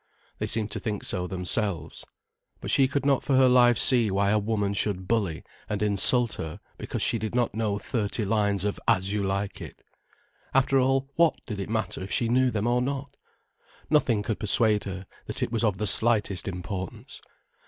They seemed to think so themselves. But she could not for her life see why a woman should bully and insult her because she did not know thirty lines of As You Like It. After all, what did it matter if she knew them or not? Nothing could persuade her that it was of the slightest importance.